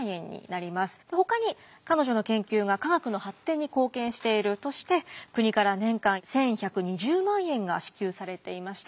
ほかに彼女の研究が科学の発展に貢献しているとして国から年間１，１２０万円が支給されていました。